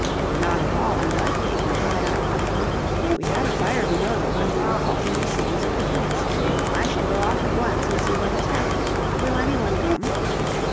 "Not at all unlikely," replied I quietly; "we had a fire below when we were caulking the seams of the pinnace. I shall go off at once and see what has happened. Will any one come?"